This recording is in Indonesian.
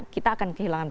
kita akan kehilangan